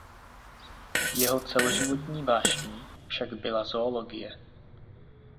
Jeho celoživotní vášní však byla zoologie.